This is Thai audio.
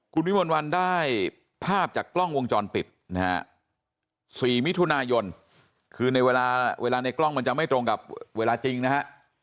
คุณวิมวลวันได้ภาพจากกล้องวงจรปิดนะฮะ๔มิถุนายนคือในเวลาในกล้องมันจะไม่ตรงกับเวลาจริงนะฮะ